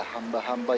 terima kasih ibu bunda